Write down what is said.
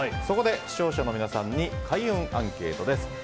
そこで視聴者の皆さんに開運アンケートです。